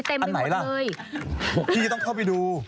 อันไหนล่ะพี่ก็ต้องเข้าไปดู